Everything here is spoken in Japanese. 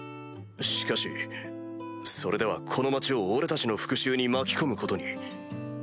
しかしそれではこの町を俺たちの復讐に巻き込むことに。